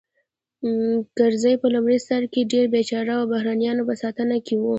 کرزی په لومړي سر کې ډېر بېچاره او د بهرنیانو په ساتنه کې و